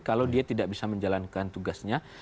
kalau dia tidak bisa menjalankan tugasnya